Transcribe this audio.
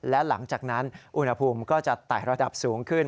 และหลังจากนั้นอุณหภูมิก็จะไต่ระดับสูงขึ้น